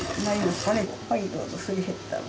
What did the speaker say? すり減った。